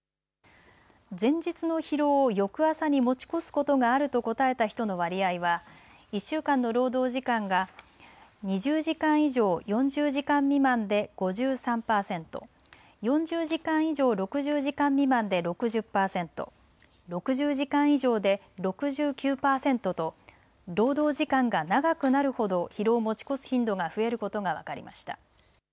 前日の疲労を翌朝に持ち越すことがあると答えた人の割合は１週間の労働時間が２０時間以上４０時間未満で５３％、４０時間以上６０時間未満で６０％、６０時間以上で６９％と労働時間が長くなるほど疲労を持ち越す頻度が増えることが分かりました。